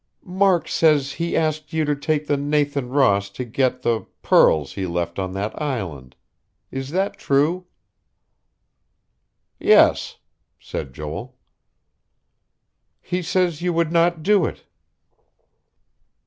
"Mark says he asked you to take the Nathan Ross to get the pearls he left on that island. Is that true?" "Yes," said Joel. "He says you would not do it."